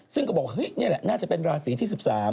ซึ่งก็บอกเฮ้ยนี่แหละน่าจะเป็นราศีที่๑๓